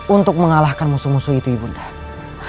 untuk mengalahkan musuh musuh itu ibu undah